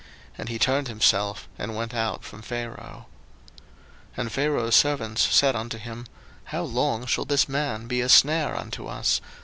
And he turned himself, and went out from Pharaoh. 02:010:007 And Pharaoh's servants said unto him, How long shall this man be a snare unto us?